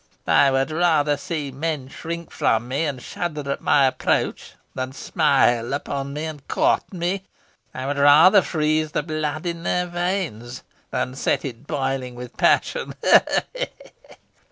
foh! I would rather see men shrink from me, and shudder at my approach, than smile upon me and court me. I would rather freeze the blood in their veins, than set it boiling with passion.